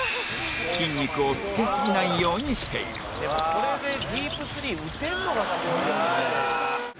これでディープスリー打てるのがすごいよね」